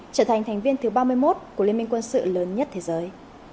trở thành thành viên thứ ba mươi một của liên minh quân sự lớn nhất thế giới